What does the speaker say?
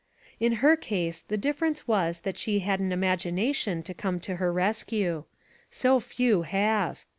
In her case the difference was that she had an im agination to come to her rescue. So few have!